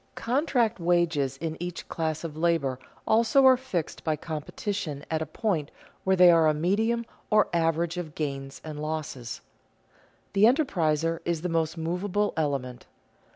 Contract wages in each class of labor also are fixed by competition at a point where they are a medium or average of gains and losses. The enterpriser is the most movable element.